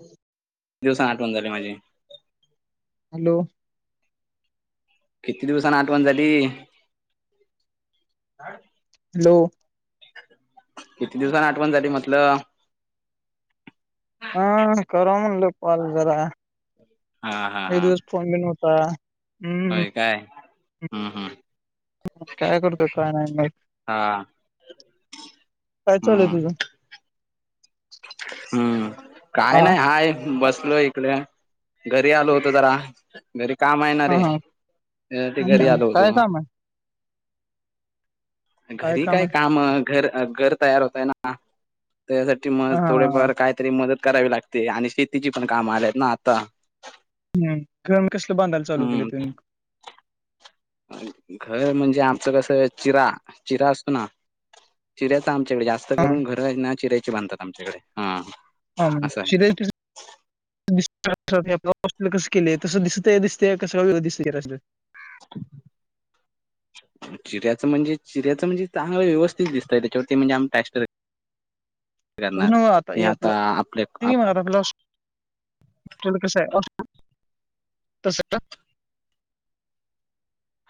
हम् दिवसन आठवणन झाली माझी हॅलो किती दिवसाना आठवण झाली हॅलो किती दिवसान आठवण झाली म्हटलं हा कर म्ह लोक पाल जरा हा हा हा फन ब होता हम्म होय काय हम्म हम् काय करतोय काय नाही हा काय चालय हम्म तुझ हम्म हा काय नाही हाय बसलोय घरी आलो होत जरा घरी काम आहेणार हा रे हा ते घरी हम्म आलो होतो काय काम आहे घरी काय काम घर घर तयार होतय ना त्यासाठी मग हा हा थोडेफार काय तरी मदत करावी लागते आणि शेतीची पण काम आलेत ना आता. हम् गरम कसलं बांधायल चालू केले हम्म तुम्ही? घर म्हणजे आमचं कसं चिरा. चिरा असतो ना? चिऱ्याचा आमच्याकडे जास्त हा करून घर हाईत ना चिऱ्यायची बांधतात आमच्याकडे. हा. हा असं आहे [unintelligible] आप कस केलं तस दिसत दिस ते कसं दिसतयं चिऱ्यातलं? चिऱ्याचं म्हणजे चिऱ्याच म्हणजे चांगल व्यवस्थित दिसत त्याच्यावरती म्हणजे आम टॅस्टर तसं करणार नव्हं आता हे आपलं आपल्या ते आप म्हणत आपला अ [unintelligible] कसं हाय [unintelligible] तस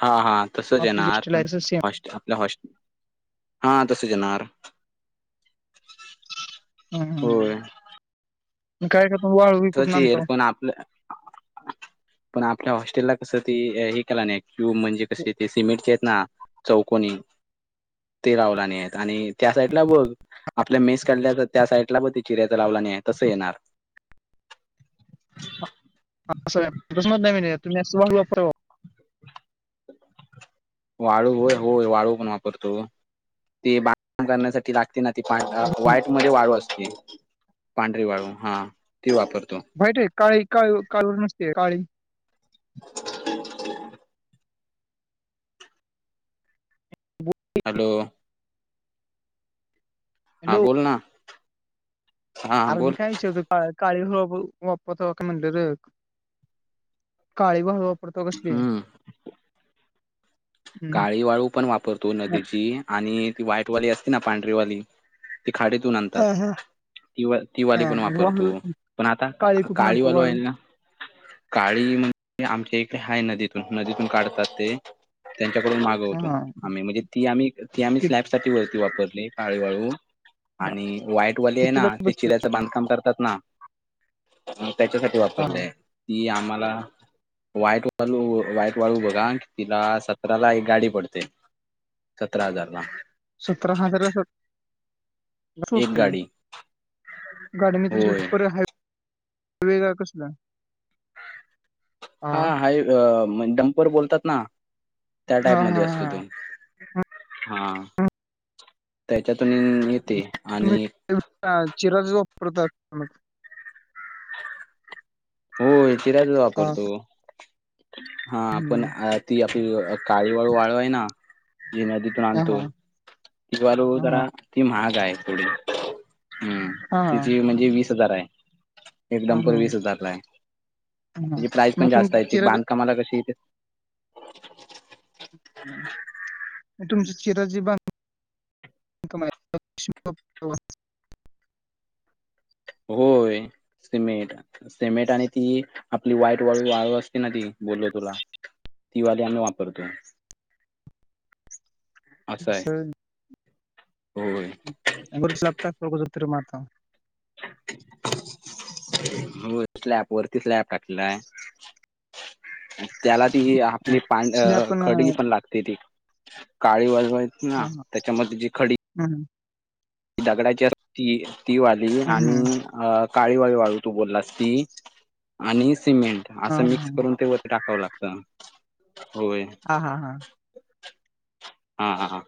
हा हा तसच आपली जी येणार हॉस्टेल आहे पण तसं सेम हॉस् आपल्या हॉसट हा तसच येणार. हम्म हं होय ह. काय करता? वाळू - - तोच येईल पण आपलं पण आपल्या हॉस्टेलला कसं ते हे केला नाही कि म्हणजे कसे ते सिमेंटचे आहेत ना. चौकोनी ते लावला नाही आहेत आणि त्या साईडला बघ - - आपल्या मेस काढल्या त्या साईडला प ते चिऱ्याच लावलं आणि तसं येणार. [unintelligible] तुम्ही असं वापरावं. वाळू होय. होय. वाळू पण वापरतो. ते बांधकाम करण्यासाठी लागत- - ती ना ती प वाईट मध्ये वाळू असती. पांढरी वाळू हा ती वापरतो. व्हाईट होय. काळी काळु कालु नसते काळी. [inaudible] हॅलो. हा हॅलो बोल ना. हा अरे बोल मी काय विचारतो [unintelligible] काळी हप वापरत का म्हटलेलं. काळी वा परतो कसली. हम्म हम्म. काळी वाळू पण वापरतो नदीची आणि ती व्हाईटवाली असते ना पांढरीवाली - - ती खाडीतून हा आणतात. हा तिवा तीवाली हा पण वाळू वापरतो. पण आता काळी कुठून आणतो काळीवालू वाळू आहेल ना. काळी म्हणजे आमच्या हाय नदीतून. नदीतून काढतात ते. त्यांच्याकडून हा मागवतो. आम्ही म्हणजे ती आम्ही ती आम्ही कि- स्लॅबसाठी वलती वापरली काळीवाळू. आणि वाईटवाली आहे ना कितीला ते बसते चिऱ्याचं बांधकाम करतात ना - - त्याच्यासाठी हा वापरले. ती आम्हाला वाईट वालू, वाईट वाळू बघा तिला स- - तराला एक गाडी पडते. सतरा हजार ला. सतरा हजार [unintelligible] एक कि [unintelligible] गाडी गाडी होय [unintelligible] वेगळा कसला? हा हाय डम्पर बोलतात ना. त्या टाईप हा हा मध्ये असतो तो. हा हा. त्याच्यातून येते आणि नुसता चिराचं वापरतात मगं. होय. चिराच हा वापरतो. हा पण हम्म. ती आपली काळी वाळू वाळू हेना ति नदीत - - हा आणतो. हा ति वालू हा हा जरा ती महाग हाय थोडी. हम्म. हा तिची म्हणजे वीस हजार हाय. एक डंपर वीस हजारला हाय. हम. म तुम्ही ती चिऱ्याच बांधकामाला कशी तुमची चिरा जी बांध- - [unintelligible] [inaudible] होय सिमेंट, सिमेंट आणि ती, आपली व्हाईट वाळू वाळू असती. ना ती बोलो तुला, ती वाली आम्ही वापरतो. असं आहे. [unintelligible] होय [unintelligible] होय, स्लॅप वरती स्लॅप टाकला आहे. त्याला ती आपली स्लॅब खडी आहे. पण लागते. ती काळी वाली, ह ह हम ती दगडाची असते. ती वाली हम्म, हम्म. आणि अ काळी वाळू, वाळू तू बोलास ती. आणि सिमेंट हा असं हा मिक्स करून ते वरती टाकावं लागत, होय. हा हा हा. हा हा हा,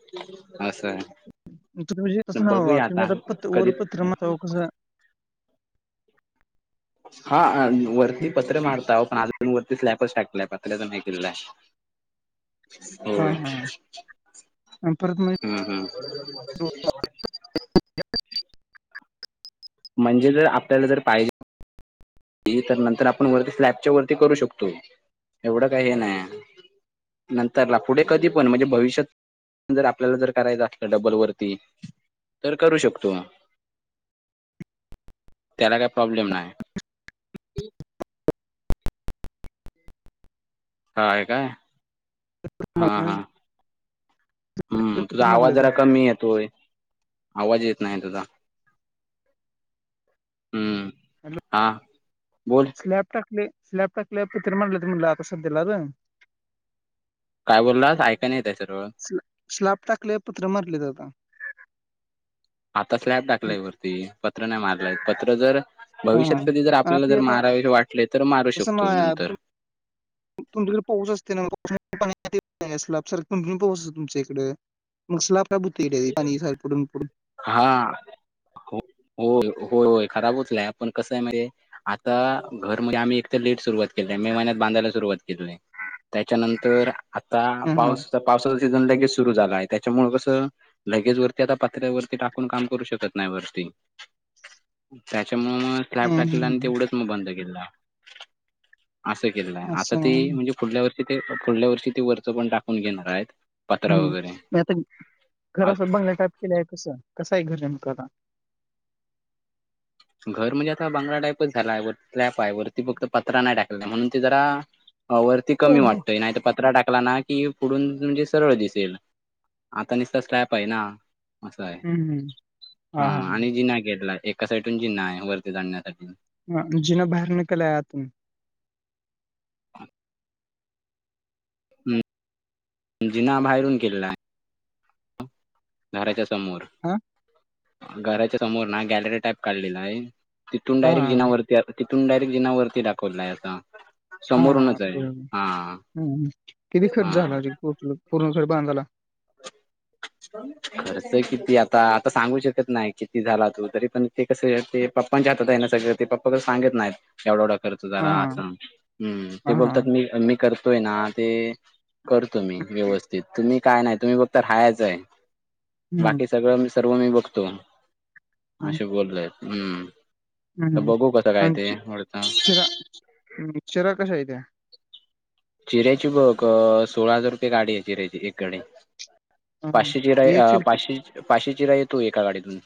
अस आहे. तुमच घर हे तसं नव, बघूया तुम्ही आता कधी पत्र्यावर पत्र मारल्यावर कसं हा, हा वरती पत्र मारताव काल पण अजून वरती स्लॅपच टाकतोय आपण. आल्याझनहॅक केलेलं हाय, हा होय. हा आणि परत काय. हम्म हम. म्हणजे जर आपल्याला जर पाहिजे ती तर नंतर आपण वरती स्लॅपच्या वरती करू शकतो, एवढं काही हे नाही नंतरला पुढे, कधी पण म्हणजे भविष्यात. जर आपल्याला, जर करायचं असलं डबल वरती. तर करू शकतो. त्याला काय प्रॉब्लेम नाही. [unintelligible] काय, काय. हा मग हा मारता हम्म, पत्र तुझा आवाज मारलं का जरा कमी येतोय. आवाज येत नाही तुझा. हम्म, हा बोल. स्लॅप टाकली स्लॅप टाकल्यावर पत्र मारलं म्हटले आता सध्यालाच. काय बोललास ऐकायला येत नाही सरळ. स्लॅप टाकलय, पत्र मारल्यात जातात. आता स्लॅप टाकलाय वरती पत्र नाही. मारलाय पत्र जर, हा हा भविष्यात कधी जर आणि आपल्याला ते जर आता मारावेसे वाटले तर मारू तसं ना शकतो नंतर, [unintelligible] मग स्लॅप का बुतीडे पाणी सारखं पडून, पडून हा, हो, होय खराब होत नाही. आपण कसं आहे म्हणजे, आता घर म्हणजे आम्ही एक तर लेट सुरुवात केली आहे. मे महिन्यात बांधायला सुरुवात केलीय. त्याच्यानंतर आता ह हा पावसाच पावसाचा सीझन लगेच सुरू झाला आहे. त्याच्यामुळ कसं लगेच, वरती आता पत्र्यावरती टाकून काम करू शकत नाही वरती. त्याच्यामूळ मग ह स्लॅप टाकला, आणि ह तेवढंच मग बंद केला. असं केलंय, आता असं ती म्हणजे पुढल्या वर्षी ते पुुढल्या वर्षी ती वरच पण टाकून घेणार आहेत. पत्रा हम्म, वगैरे मग आता घर आ- असा बंगल्या टाईप केल्या आहे. कस, कस आहे घर नेमक आता घर म्हणजे आता बंगला टाईपच झाला आहे. वर स्लॅप आहे. वरती फक्त पत्रा नाही, टाकलेला म्हणून ते जरा वरती हो कमी हो वाटतोय नाही. तर पत्र टाकला ना कि, पुढून म्हणजे सरळ दिसेल, आता नुसतं स्लॅप आहे ना. अस आहे. हम्म हम्म हा आणि जिना घेतलाय, एका साइड जिना आहे. वरती जाण्यासाठी हा जिना बाहेर केलाय आतून [unintelligible] हम्म, जिना बाहेरून केला आहे. घराच्या समोर हा घराच्या समोर ना गॅलरी टाईप काढलेला आहे तिथून हा डायरेक्ट जिनावरती तिथून डायरेक्ट जिनावरती दाखवलाय आता हा हा बरोबर हम किती खर्च हा झालाे पूर्ण खर्च बांध झाला खर्च किती आता आता सांगू शकत नाही किती झाला तू तरी पण ते कस ते पप्पच्या हात आहे ना सगळं ते पप्पा ज सांगत नाहीत एवढा एवढा करतो हा जरा हा असं हम्म हा ते हा बोलतात मी मी करतोय ना ते करतो मी व्यवस्थित तुम्ही काय नाही तुम्ही फक्त राहायचंय हम्म बाकी सगळं सर्व मी बघतो हम्म असे बोलले हम्म तर हम्म बघू कसं काय ते वरचं मिक्चरा कशा य त्या्या चिऱ्याची बघ सोळा हजार रुपये गाडी आहे चिऱ्याची एक गाडी हा हा पाचशे एक चिरा चिरकी पाचशे पाचशे चिरा येतो एका गाडीतून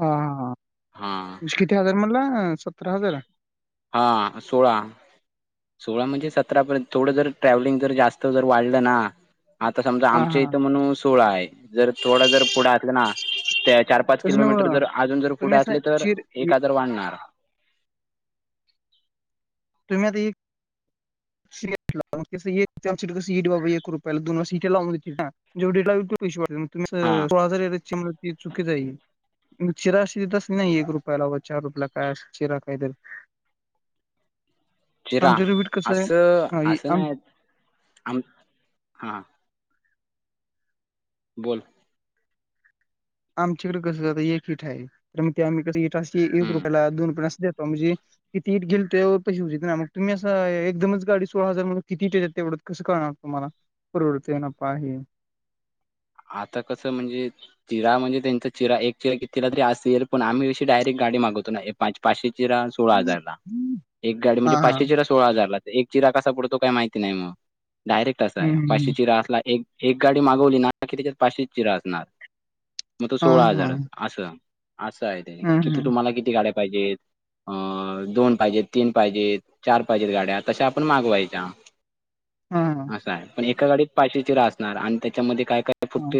ह हा हा किती हजार म्हणला सतरा हजार हा सोळा सोळा म्हणजे सतरापर्यंत थोडं जर ट्रॅव्हलिंग जर जास्त जर वाढलं ना आता समजा हा आमच्या हा इथं म्हणून सोहळा आहे जर थोडा जर पुढं आ ना त्या चार पाच तसं किलोमीटर नव्ह जर अजून जर तुम्ही पुढे असं असले तर चिर एक हजार वाढणार तुम्ही आ स लाच्या कंईट बाबा एक रुपयाला दोन वर्ष सटे लावूनेत ना जेवढेडे लाल तो पैशी वाग हा सोळा हजार एरजची ती चुकी जाईल ग चिरा अशी देत असल ना एक रुपयाला व चार रुपयाला काय चिरा काहीत चिरा आमच्याकडे बीट कसं आहे असं हा हे असं आम नाही आम हा बोल आमच्याकडे कसं जात एक हिठा आहे तर मग ते आमही कस इठ एक हम्म रुपयाला दोन रुपया देतो म्हणजे किती इेल त्यावर पैशी होऊेत ना मग तुम्ही असं एकदमच गाडी सोळा हजार मग कितीेेतात तेवढ कसं करणार तुम्हाला प्रवृती ये नां पा आहे आता कसं म्हणजे चिरा म्हणजे त्यांचा चिरा एक चिरा तिला तरी असेल पण आम्ही अशी डायरेक्ट गाडी मागवतो ना पा पाचशे चिरा सोळा हजार ला एक गाडी म्हणजे हा हा पाचे सोळा हजारला तर एक चिरा कसा पडतो काही माहिती नाही मग डायरेक्ट असा हं, आहे हं, पाचशे हं. चिरा असला एक एक गाडी मागवली ना की त्याच्यात पाचशे चिरा असणार मग तो सोळा हां, हजार हां. असं असं आहे त्यानी हं, किती हं. तुम्हाला किती गाड्या पाहिजेत अ दोन पाहिजेत तीन पाहिजेत चार पाहिजेत गाड्या तशा आपण मागवायच्या हां, हां. असं आहे पण एका गाडीत पायट चिरा असणार आणि त्याच्यामध्ये काय काय फुट हां,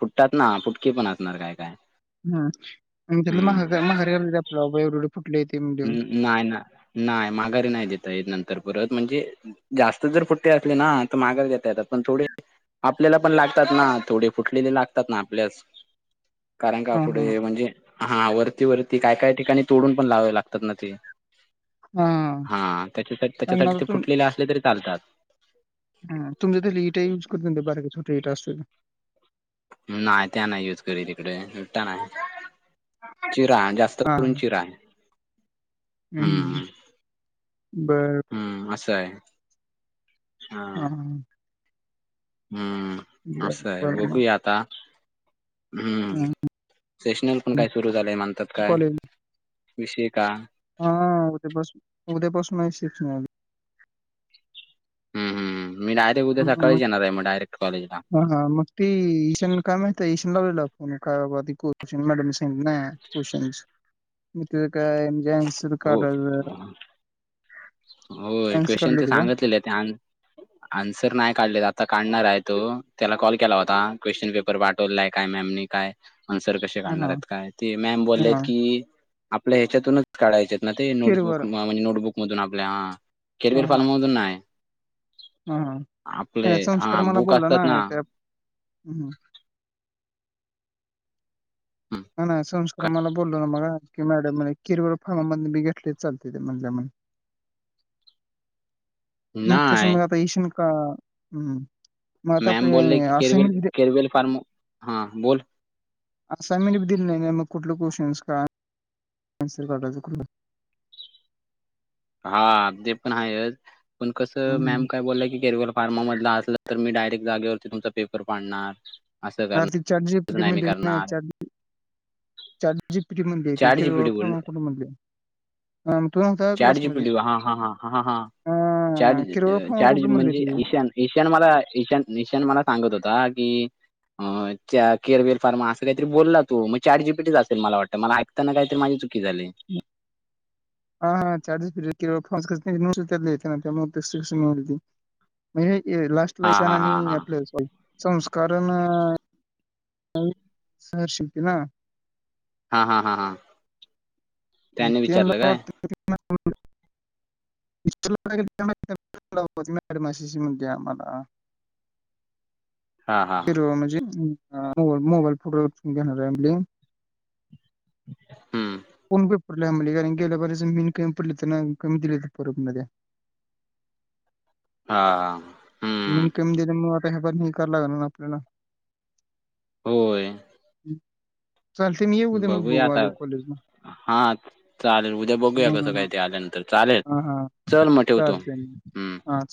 फटात ना फुटकीे पण असणार काय काय हम त्यात म हम्म मघारी आपला बाबा एवढे एवढे फुटले येते म्हणजे न- नाही नाही नाही माघारी नाही देेत य नंतर परत म्हणजे जास्त जर फ पुट्टे असले ना तर मागास घेता येतात पण थोडे आपल्याला पण लागतात ना थोडे फुटलेले लागतात ना आपल्यास कारण का हां, हां. पुढे म्हणजे हा वरती वरती काय काय ठिकाणी तोडून पण लावावे लागत ते हां, हां. हा त्याच्या आणि त्याच्यासाठी आता ते फुटलेले असले तरी चालतात हा तुमही त्याले इटा युज करत ते ब ोटं इटं असतो नाही त्या नाही युज करी तिकडेटता नाही चिरा जास्त हां, करून हां. चिरा आहे हं, हं. हम्म बरं. हम्म असं आहे हा ह हम्म बरं, असं आहे बरं मग. वघू आता हम्म हं. सेशनल पण काय सुरू झालेय म्हणतात काय अभषय का हा उद्यापसून उद्यापासून आहे शिक् हम्मी डायरेक्ट उद्या सकाळीच येणार आहे मग डयेट कॉलेजला हा मग ते ईशानला काय माहित आहे ईशान लावलेला फो कायधी कश मॅड स नाही कशन म काय एजनस क हो होय क्वेश्चन काढले ते होते का? सांगितलेले त्या [inaudible] आन्सर नाही काढलेत आता काढणार आहे तो त्याला कॉल केला होता क्वेश्चन पेपर पाठवलाय काय मॅमनी काय अनसर कसे हां, काढणार हां, आहेत काय ते मॅम हां, बोललेत हां. की आपल्या ह्याच्यातूनच काढायचे आहेत ना ते किरवळ. नोटबुक म्हणजे नोटबुक मधून आपल्या हा हां, केरवेअर हां, फाल्ममधून आहे हां, हां. आपले नाही अ बुक असतात ना हम् हम हं, ह नाही संस्कार मला बोललो ना बघा की मॅडम किर फारमा मी घेतले चालते ते म्हधल्या मुक्त नाही समज आता शन का हम् मॅम बोल र की केरवेल केरवेल फार्म हा बोल असाइनमेंटी दिलेलं नाही नाही मग कुठलं क्वेश्न्स कान्सर कायचं कुठ हा ते पण आहे पण कसं हं, मॅम हं. काय बोललं की गरल फार्मा मधला असलं तर मी डायरेक्ट जागेवरती तुमचा पेपर पाडणार असं करणार कारतिक चजीप तसं नाही म मी करणार चज चज जी प म्हणली ती खेळळ फमा को म्हणली अ, तू नव्हता का चारजी क्लासमध्ये? पडवा हा हा हा हा ह हा. अ, चार्ज किरवळ फार्मा चार्ज कुठं म्हणली म्हणजे ती? ईशान इशन मला इशन इशन मला सांगत होता कि अ केअरवेर फार्मा असं काहीतरी बोलला ना तू मग चारटजीपीटच असेल मला वाटत मला ऐकताना का तरी माझी चुकी झाली हा हा चार्जेसिरि त्यामुळे म्हणजे लास्ट ला हां इशन हां हां आणि हां आपलं सॉरी संस्कारण सर शिकती ना. हा हा हा हा ल वाट. मीडशी आम्हाला हां हां फि हां म्हणजे मोबाईल फोटो्रून घेणार आहे हम्म कोण प पडला कारण गेल्यापर् मीन कमी पडली तर ना कमी दिले हो परबमध्ये हा हा मिनकम म आता ह पण नाही करा लागणार आपल्याला होय चालते मी येऊ दे मग बघू आले कॉलेज म हा चालेल उद्या बघूया कसं काय हा इथे आल्यानंतर चालेल हा हा चल मग ठेवतो चालतंय हम्म हा